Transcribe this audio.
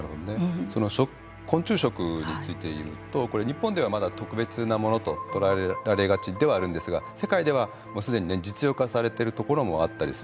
昆虫食について言うとこれ日本ではまだ特別なものと捉えられがちではあるんですが世界ではもう既にね実用化されてるところもあったりするんですよね。